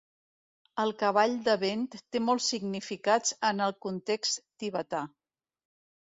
El cavall de vent té molts significats en el context tibetà.